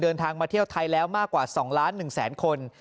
เดินทางมาเที่ยวไทยแล้วมากกว่า๒ล้าน๑แสนคน